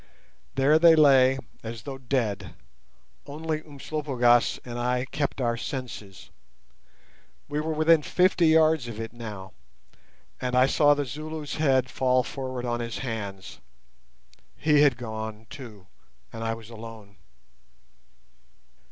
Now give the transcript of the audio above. There they lay as though dead; only Umslopogaas and I kept our senses. We were within fifty yards of it now, and I saw the Zulu's head fall forward on his hands. He had gone too, and I was alone.